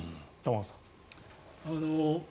玉川さん。